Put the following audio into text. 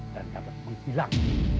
dan dapat menghilang